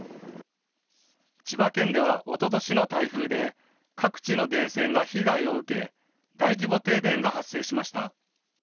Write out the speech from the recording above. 千葉県ではおととしの台風で、各地の電線が被害を受け、大規模停電が発生しました。